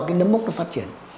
cái nấm mốc nó phát triển